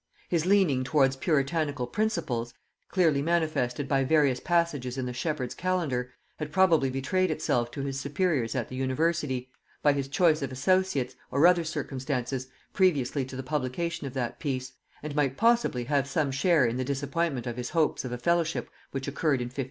His leaning towards puritanical principles, clearly manifested by various passages in the Shepherd's Calendar, had probably betrayed itself to his superiors at the university, by his choice of associates, or other circumstances, previously to the publication of that piece; and possibly might have some share in the disappointment of his hopes of a fellowship which occurred in 1576.